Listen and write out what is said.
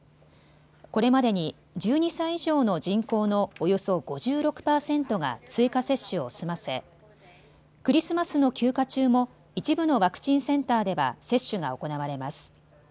これまでに１２歳以上の人口のおよそ５６％が追加接種を済ませクリスマスの休暇中も一部のワクチンセンターでは接種が行われます。